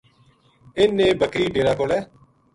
اِنھ نے بکری ڈیرا کولے